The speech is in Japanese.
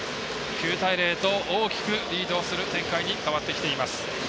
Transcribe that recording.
９対０と大きくリードする展開に変わってきています。